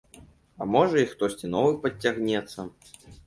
А можа і хтосьці новы падцягнецца.